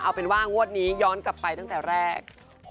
เอาเป็นว่างวดนี้ย้อนกลับไปตั้งแต่แรก